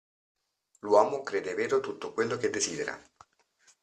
L'uomo crede vero tutto quello che desidera.